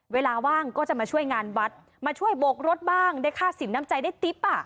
เวลาว่างก็จะมาช่วยงานวัดมาช่วยโบกรถบ้างได้ค่าสินน้ำใจได้ติ๊บอ่ะ